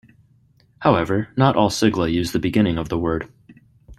However, not all sigla use the beginning of the word.